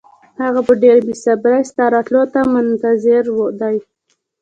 هغه په ډېره بې صبرۍ ستا راتلو ته منتظر دی.